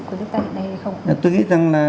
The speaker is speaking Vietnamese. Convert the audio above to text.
của nước ta hiện nay hay không tôi nghĩ rằng là